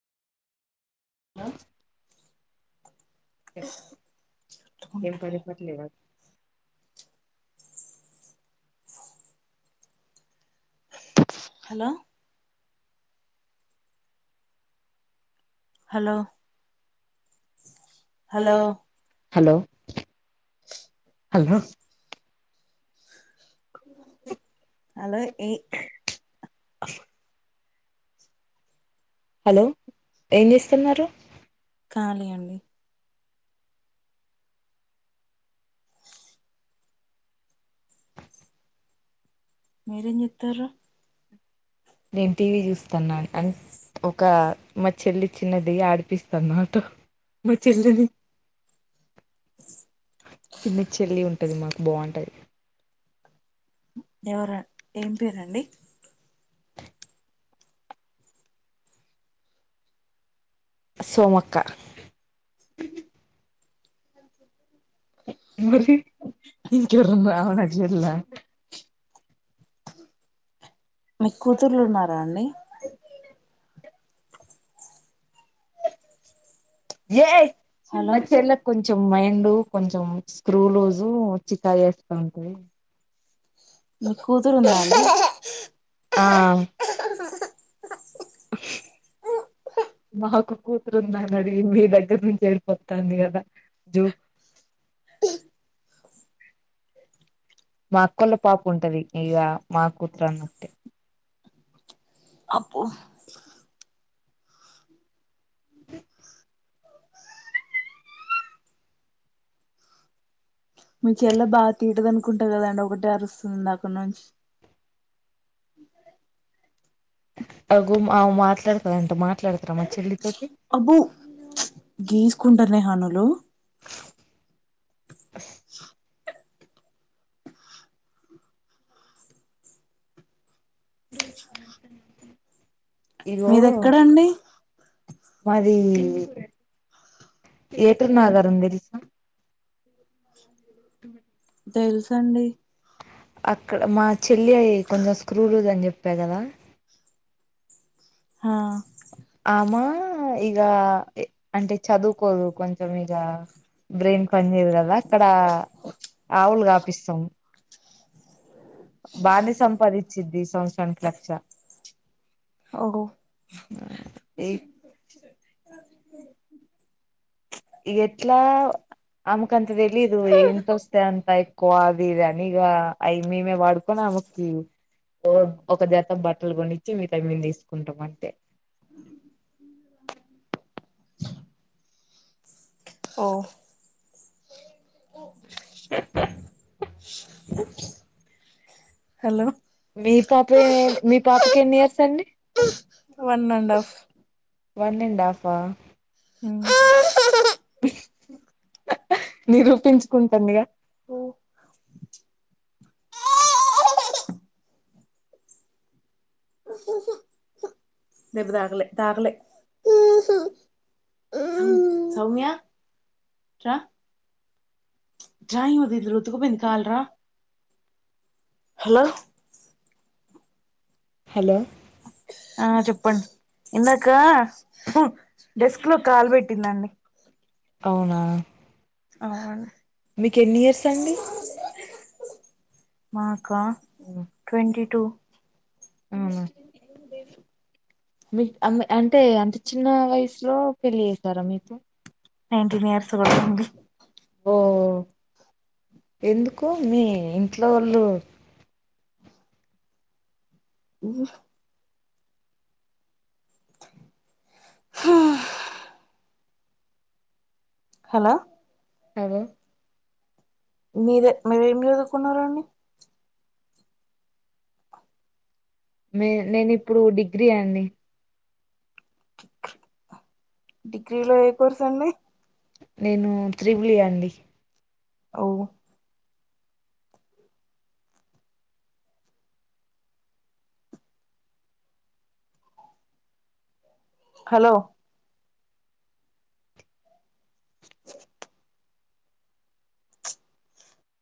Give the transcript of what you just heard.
Hello [inaudible] ఏం పని పాట లేదా? Hello hello hello hello hello ఏ హలో ఏం చేస్తున్నారు? కాలి అండి మీరేం చేస్తుర్రు నేను టీవీ చూస్తున్నాన్ అన్ ఒక మా చెల్లి చిన్నది ఆడిపిస్తాన్న ట. మా చెల్లిని చిన్న చెల్లి ఉంటది, మాకు బావుంటది. ఎవర ఏం పేరండి? సోమక్క అ మరి ఇంకెవరున్నారు ఆమే నాకు [unintelligible] మీ కూతుర్లు ఉన్నారాండి? ఏయ్ మా చెల్లకి కొంచెం మైండ్ కొంచెం స్క్రూ లుజు వచ్చికాయ. [unintelligible] స్థాన్ క్వయ్ ఆ మాకు కూతురూంద అనీ అడిగి, మీ దగ్గర నుంచి ఏడుపొస్తది కదా? జూ మా అక్కోల్ల పాప ఉంటది, ఇగ మా కూతురు అన్నటె? అ మీ చెల్లె బాగా తీటది అనుకుంటా కదండి? ఒకటే అరుస్తుంది ఇందాక నుంచి. [inaudible] అబు గీస్ కుంట నేహనులు [inaudible] [inaudible] మీది ఎక్కడండి మాది ఏటూర్ నాగరం తెల్సా [inaudible] తెలుసండి అక్కడ మా చెల్లి అయి కొంచెం స్క్రూ లూజ్ అని చెప్పా కదా హా ఆమా ఇక ఏ అంటే చదువుకోదు కొంచెం ఇగ బ్రెయిన్ పని చేయదు కదా అక్కడ ఆవులు కాపిస్తాం [inaudible] బానే సంపాదిచిది సంవత్సరానికి లక్ష ఓ ప్చ్ ఇగ ఎట్లా ఆమెకంత తెలిదు ఏన్ తోస్తే అంతా ఎక్కువ అది ఇది అని ఇగ అయన్ని ఈమె వాడుకోని ఆ ఓకే ఓ ఒక జత బట్టలు కొనిచ్చి మిగతాది మేము తీసుకుంటాం అంతే ఓ హలో మీ పాపె మీ పాపకి ఎన్ని ఇయర్స్ అండి వన్ అండ్ హాఫా ఊ నిరూపించుకుంటుంది గా దెబ్బ తాకలే తాకలే స సౌమ్యా ఇట్రా ప్చ్ ఇట్రా ఇగో వీధిలోతకపోయింది కాల్ రా హలో హలో ఆ చెప్పండి ఇందాక డెస్క్ లో కాలు పెట్టిందండి అవునా అవునండి మా కా ట్వంటీ టూ ఊ మీకు అమ్ అంటే అంటే చిన్న వయసులో పెళ్ళి చేసారా మీకు నైన్టీన్ ఇయర్స్ కూడా కాంది ఎందుకు మీ ఇంట్లో వాళ్ళు ఊ హా హలో హలో మీదే మీరేం చదువుకున్నారండి నే నేను ఇప్పుడు డిగ్రీ అండి డిగ్రీలో ఏ కోర్సు అండి అవు హలో